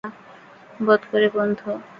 বোধ করি বন্ধু আমারে স্বার্থপর ও অকৃতজ্ঞ ভাবিতেছেন।